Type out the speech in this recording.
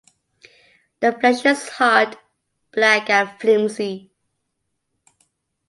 The flesh is hard, black, and flimsy.